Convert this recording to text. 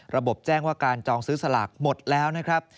แจ้งว่าการจองซื้อสลากหมดแล้วนะครับ